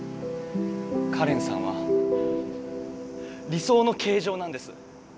カレンさんは理そうの形じょうなんです。